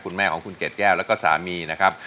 คุณแม่ของคุณเกดแก้วแล้วก็สามีนะครับ